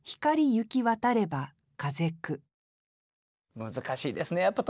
難しいですねやっぱ特選は。